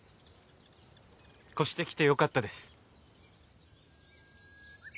越してきてよかったです。